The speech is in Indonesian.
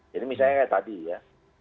jadi misalnya kayak tadi ya